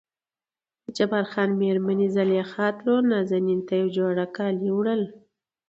دجبار مېرمنې زليخا ترور نازنين ته نه يو جوړ کالي وړل.